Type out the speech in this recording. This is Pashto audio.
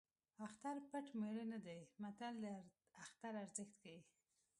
اختر پټ مېړه نه دی متل د اختر ارزښت ښيي